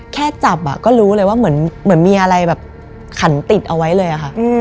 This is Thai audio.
แค่จับก็รู้เลยว่าเหมือนมีอะไรแบบขันติดเอาไว้เลยค่ะ